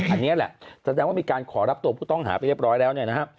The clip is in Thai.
อันนี้แหละแสดงว่ามีการขอรับตัวผู้ต้องหาไปเรียบร้อยแล้ว